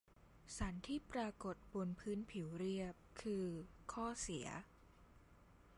สันที่ปรากฏบนพื้นผิวเรียบ คือ ข้อเสีย